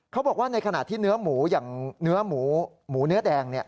เขาบอกว่าในขณะที่เนื้อหมูอย่างเนื้อหมูเนื้อแดง